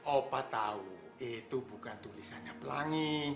opa tahu itu bukan tulisannya pelangi